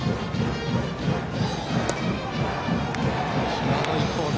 際どいコース